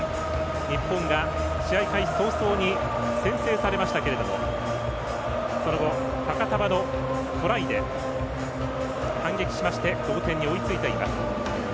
日本が試合開始早々に先制されましたけどもその後、ファカタヴァのトライで反撃しまして同点に追いついています。